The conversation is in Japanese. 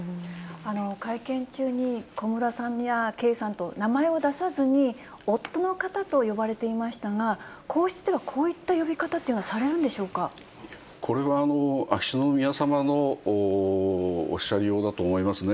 会見中に小室さんや圭さんと名前を出さずに、夫の方と呼ばれていましたが、皇室ではこういった呼び方というこれは、秋篠宮さまのおっしゃりようだと思いますね。